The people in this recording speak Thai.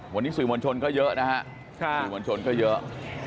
วันนี้สื่อมวลชนก็เยอะนะฮะสื่อมวลชนก็เยอะ